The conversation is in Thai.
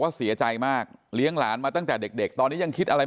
เสียใจมากเลี้ยงหลานมาตั้งแต่เด็กตอนนี้ยังคิดอะไร